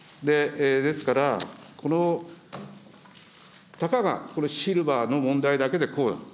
ですから、たかがこのシルバーの問題だけでこうだと。